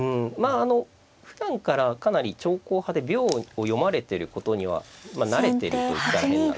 ああのふだんからかなり長考派で秒を読まれてることには慣れてると言ったら変なんですけども。